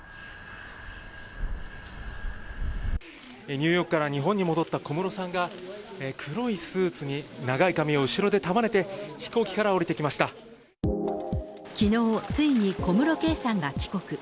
ニューヨークから日本に戻った小室さんが、黒いスーツに長い髪を後ろで束ねて、きのう、ついに小室圭さんが帰国。